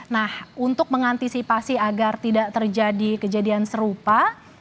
nah untuk mengantisipasi agar tidak terjadi kejadian serupa